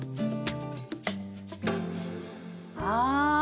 ああ。